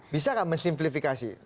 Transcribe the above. bisa nggak mensimplifikasi